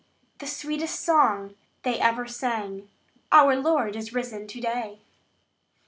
The sweetest song they ever sang "Our Lord is risen to day!"